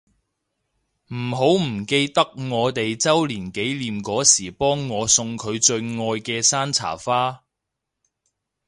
唔好唔記得我哋週年紀念嗰時幫我送佢最愛嘅山茶花